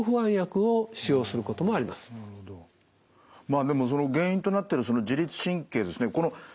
まあでもその原因となってる自律神経ですね